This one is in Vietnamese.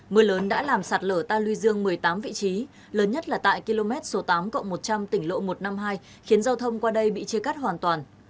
mưa lớn đã làm sạt lở ta lưu dương một mươi tám vị trí lớn nhất là tại km số tám cộng một trăm linh tỉnh lộ một trăm năm mươi hai khiến giao thông qua đây bị chia cắt hoàn toàn